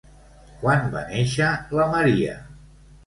Quan va néixer la Maria?